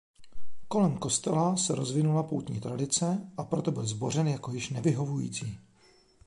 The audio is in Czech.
Kolem kostela se rozvinula poutní tradice a proto byl zbořen jako již nevyhovující.